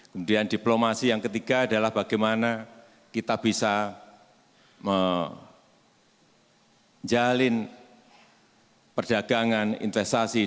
kemudian diplomasi yang ketiga adalah bagaimana kita bisa menjalin perdagangan investasi